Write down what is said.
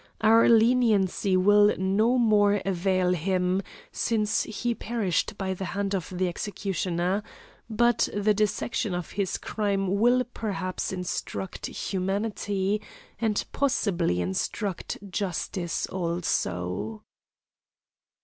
Our leniency will no more avail him, since he perished by the hand of the executioner, but the dissection of his crime will perhaps instruct humanity, and possibly instruct justice also.